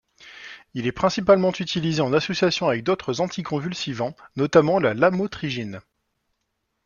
Il est principalement utilisé en association avec d'autres anticonvulsivants, notamment la lamotrigine.